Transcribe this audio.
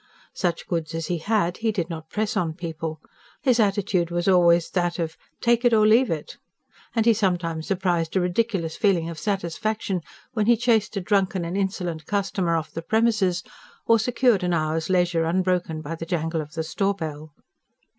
Such goods as he had, he did not press on people; his attitude was always that of "take it or leave it"; and he sometimes surprised a ridiculous feeling of satisfaction when he chased a drunken and insolent customer off the premises, or secured an hour's leisure unbroken by the jangle of the store bell.